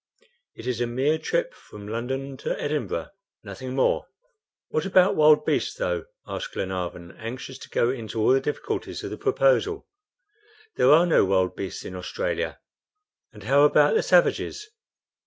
It is a mere trip from London to Edinburgh, nothing more." "What about wild beasts, though?" asked Glenarvan, anxious to go into all the difficulties of the proposal. "There are no wild beasts in Australia." "And how about the savages?"